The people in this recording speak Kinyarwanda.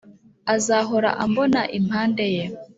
azahora ambona impande ye